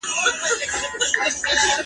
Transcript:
زه به اوږده موده د هنرونو تمرين کړی وم،